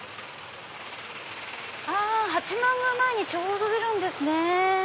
あ八幡宮前にちょうど出るんですね。